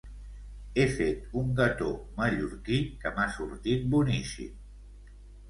He fet un gató mallorquí que m'ha sortit boníssim!